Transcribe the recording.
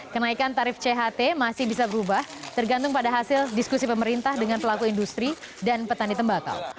kenaikan tarif cht masih bisa berubah tergantung pada hasil diskusi pemerintah dengan pelaku industri dan petani tembakau